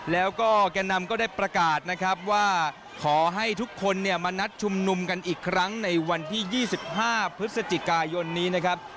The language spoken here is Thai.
แล้วก็แก่นำก็ได้ประกาศนะครับว่าขอให้ทุกคนเนี่ยมานัดชุมนุมกันอีกครั้งในวันที่๒๕พฤศจิกายนนี้นะครับ